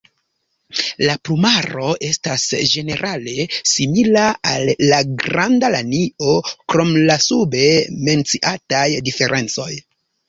La plumaro estas ĝenerale simila al la Granda lanio krom la sube menciataj diferencoj.